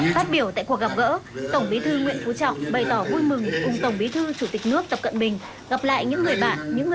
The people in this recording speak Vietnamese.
phát biểu tại cuộc gặp gỡ tổng bí thư nguyễn phú trọng bày tỏ vui mừng cùng tổng bí thư chủ tịch nước tập cận bình gặp lại những người bạn những người